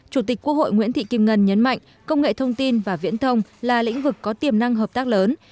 chủ tịch quốc hội nguyễn thị kim ngân nhấn mạnh công nghệ thông tin và viễn thông là lĩnh vực có tiềm năng hợp tác lớn